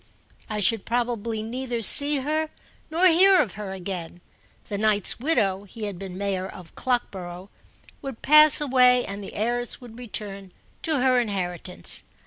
I should probably neither see her nor hear of her again: the knight's widow (he had been mayor of Clockborough) would pass away and the heiress would return to her inheritance.